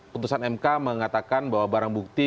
putusan mk mengatakan bahwa barang bukti